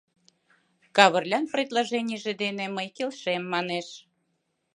— Кавырлян предложенийже дене мый келшем, манеш.